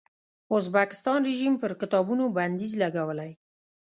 ازبکستان رژیم پر کتابونو بندیز لګولی.